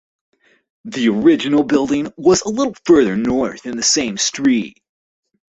The original building was a little further north in the same street.